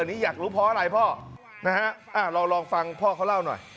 อันนี้อยากรู้เพราะอะไรพ่อนะฮะลองฟังพ่อเขาเล่าหน่อย